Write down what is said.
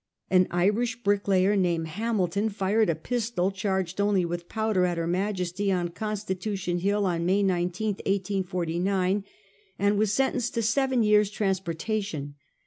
An Irish brick layer, named Hamilton, fired a pistol, charged only with powder, at her Majesty, on Constitution Hill, on May 19, 1849, and was sentenced to seven years' transportation.